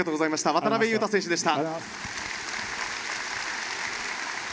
渡邊雄太選手でした。